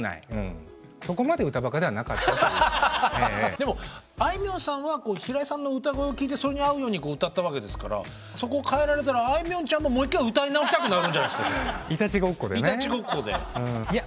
でもあいみょんさんは平井さんの歌声を聞いてそれに合うように歌ったわけですからそこを変えられたらあいみょんちゃんももう１回歌い直したくなるんじゃないですかそれ。